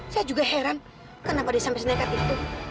saya juga heran kenapa dia sampai se nekat itu